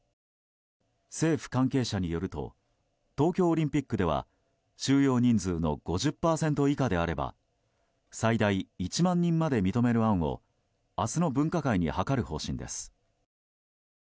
政府関係者によると東京オリンピックでは収容人数の５０％以下であれば最大１万人まで認める案を明日の分科会に諮る方針です。